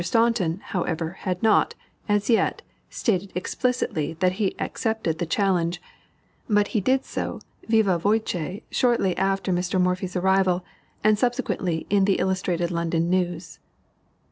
Staunton, however, had not, as yet, stated explicitly that he accepted the challenge, but he did so viva voce shortly after Mr. Morphy's arrival, and subsequently, in the Illustrated London News.